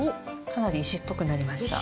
かなり石っぽくなりました。